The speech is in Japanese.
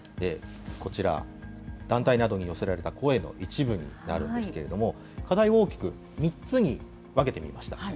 こちら、団体などに寄せられた声の一部になるんですけれども、課題を大きく３つに分けてみました。